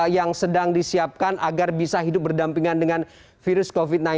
yang sedang disiapkan agar bisa hidup berdampingan dengan virus covid sembilan belas